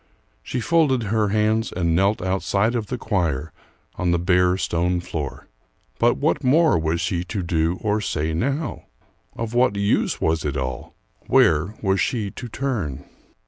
She folded her hands and knelt outside of the choir on the bare stone floor. But what more was she to do or say now? Of what use was it all? Where was she to turn?